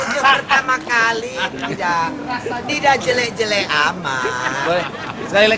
untuk pertama kali tidak jelek jelek amat